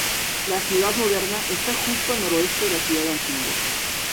La ciudad moderna está justo al noroeste de la ciudad antigua.